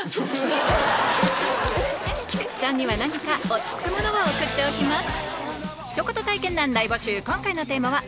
菊池さんには何か落ち着くものを送っておきます